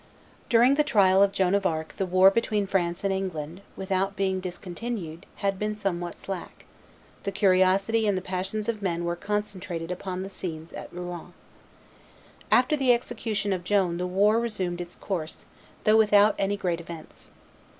During the trial of Joan of Arc the war between France and England, without being discontinued, had been somewhat slack: the curiosity and the passions of men were concentrated upon the scenes at Rouen. After the execution of Joan the war resumed its course, though without any great events.